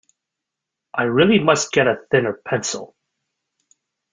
I really must get a thinner pencil.